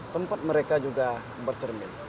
tempat mereka juga bercermin